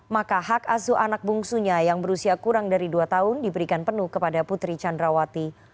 maka hak asu anak bungsunya yang berusia kurang dari dua tahun diberikan penuh kepada putri candrawati